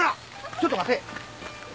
ちょっと待て！